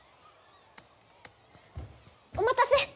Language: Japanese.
おまたせ！